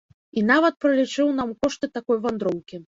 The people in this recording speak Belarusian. І нават пралічыў нам кошты такой вандроўкі.